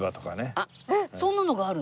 あっそんなのがあるの？